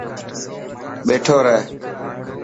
ٻيٺو رهه.